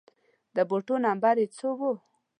د بوټو نمبر يې څو و